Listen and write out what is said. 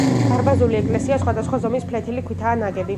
დარბაზული ეკლესია სხვადასხვა ზომის ფლეთილი ქვითაა ნაგები.